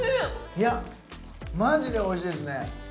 いやマジでおいしいですね